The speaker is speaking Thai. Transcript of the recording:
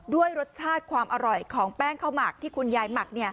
ด้วยรสชาติความอร่อยของแป้งข้าวหมักที่คุณยายหมัก